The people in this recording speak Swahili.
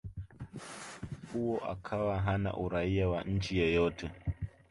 huo akawa hana Uraia wa nchi yoyote